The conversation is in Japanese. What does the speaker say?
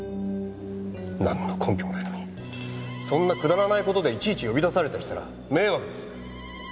なんの根拠もないのにそんなくだらない事でいちいち呼び出されたりしたら迷惑です。